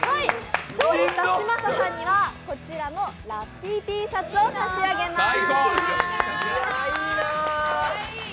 勝利した嶋佐さんにはこちらのラッピーＴシャツを差し上げます。